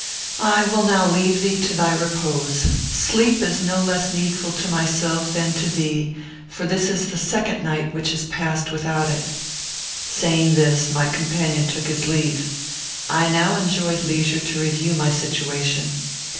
"I will now leave thee to thy repose. Sleep is no less needful to myself than to thee; for this is the second night which has passed without it." Saying this, my companion took his leave. I now enjoyed leisure to review my situation.